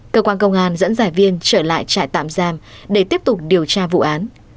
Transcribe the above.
cơ quan công an dẫn giải viên trở lại trại tạm giam để tiếp tục điều tra vụ án